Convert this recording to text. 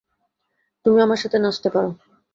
তুমি আমার সাথে নাচতে পারো।